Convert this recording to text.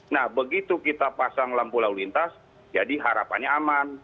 nah begitu kita pasang lampu lalu lintas jadi harapannya aman